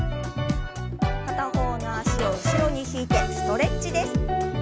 片方の脚を後ろに引いてストレッチです。